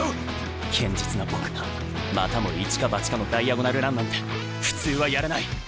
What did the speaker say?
堅実な僕がまたも一か八かのダイアゴナル・ランなんて普通はやらない。